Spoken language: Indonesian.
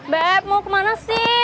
beb mau kemana sih